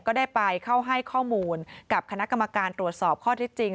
ก็ได้ไปเข้าให้ข้อมูลกับคณะกรรมการตรวจสอบข้อที่จริง